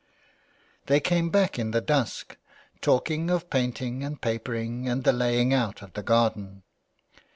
They came back in the dusk, talking of painting and papering and the laying out of the garden.